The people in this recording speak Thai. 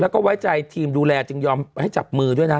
แล้วก็ไว้ใจทีมดูแลจึงยอมให้จับมือด้วยนะ